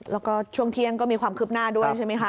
แล้วก็ช่วงเที่ยงก็มีความคืบหน้าด้วยใช่ไหมคะ